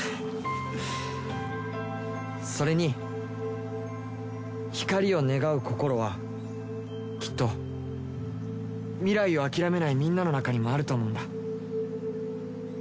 それに光を願う心はきっと未来を諦めないみんなの中にもあると思うんだ。